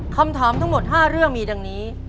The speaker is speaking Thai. คำถามทั้งหมด๕เรื่องมีดังนี้